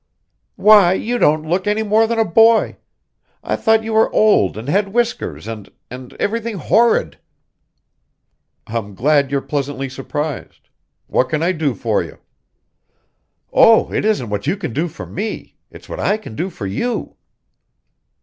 "Why, you don't look any more than a boy! I thought you were old and had whiskers and and everything horrid." "I'm glad you're pleasantly surprised. What can I do for you?" "Oh, it isn't what you can do for me it's what I can do for you!"